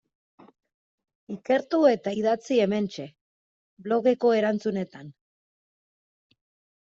Ikertu eta idatzi hementxe, blogeko erantzunetan.